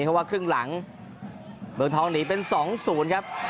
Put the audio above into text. เพราะว่าครึ่งหลังเมืองทองหนีเป็น๒๐ครับ